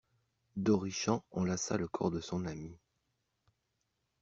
D'Orichamps enlaça le corps de son ami.